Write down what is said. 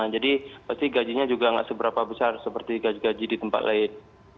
jadi pasti gajinya juga tidak seberapa besar seperti gaji gaji di tempat lain